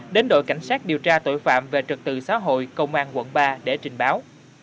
đến đội cảnh sát điều tra tội phạm về trật tự xã hội công an quận ba để trình báo